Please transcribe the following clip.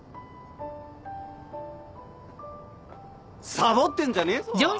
サボってんじゃねえぞ！